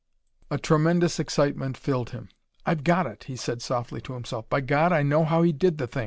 A tremendous excitement filled him. "I've got it!" he said softly to himself. "By God, I know how he did the thing!"